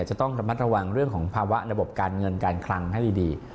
จะต้องระมัดระวังเรื่องของภาวะระบบการเงินการคลังให้ดี